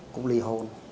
cũng ly hôn